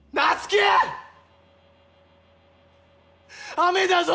雨だぞ！